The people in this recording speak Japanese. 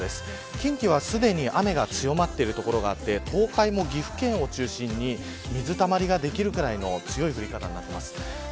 近畿は、すでに雨が強まっている所があって東海も岐阜県を中心に水たまりができるくらいの強い降り方になっています。